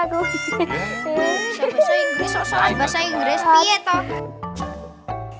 bahasa inggris piet toh